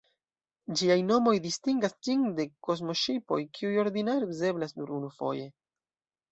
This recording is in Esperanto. Ĝiaj nomoj distingas ĝin de kosmoŝipoj, kiuj ordinare uzeblas nur unufoje.